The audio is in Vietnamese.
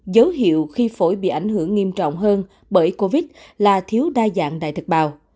dấu hiệu khi phổi bị ảnh hưởng nghiêm trọng hơn bởi covid là thiếu đa dạng đại thực bào